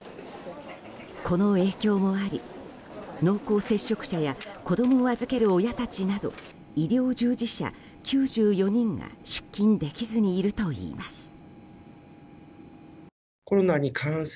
この影響もあり濃厚接触者や子供を預ける親たちなど医療従事者９４人が出勤できずにいるといいます。